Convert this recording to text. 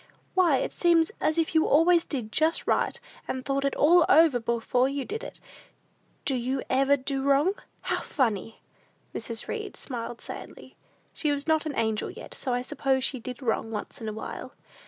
Why, it seems as if you always did just right, and thought it all over before you did it. Do you ever do wrong? How funny!" Mrs. Read smiled sadly. She was not an angel yet; so I suppose she did wrong once in a while.